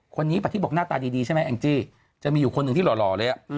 คนนี้ป่ที่บอกหน้าตาดีใช่ไหมแองจี้จะมีอยู่คนหนึ่งที่หล่อเลย